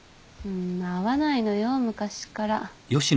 合わないのよ昔っから。